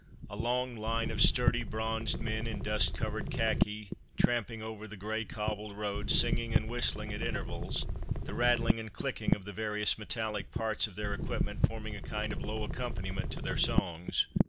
A long line of sturdy, bronzed men, in dust covered khaki, tramping over the grey cobbled road, singing and whistling at intervals; the rattling and clicking of the various metallic parts of their equipment forming a kind of low accompaniment to their songs.